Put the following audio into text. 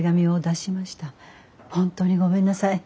本当にごめんなさい。